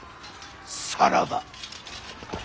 さらば。